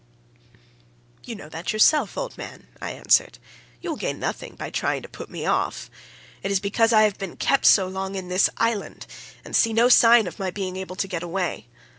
"'You know that yourself, old man,' I answered, 'you will gain nothing by trying to put me off. It is because I have been kept so long in this island, and see no sign of my being able to get away.